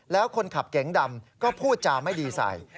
แล้วคนขับเก๋งดำก็พูดจาไม่ดีใส่